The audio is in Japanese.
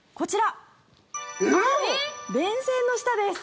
青、電線の下です。